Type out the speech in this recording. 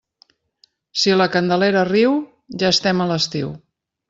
Si la Candelera riu, ja estem a l'estiu.